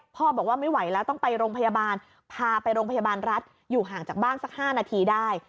บอกว่าไม่ไหวแล้วต้องไปโรงพยาบาลพาไปโรงพยาบาลรัฐอยู่ห่างจากบ้านสัก๕นาทีได้